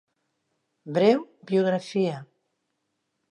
Breu biografia.